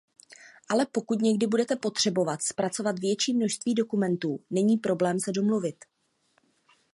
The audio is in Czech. Ale pokud někdy budete potřebovat zpracovat větší množství dokumentů, není problém se domluvit.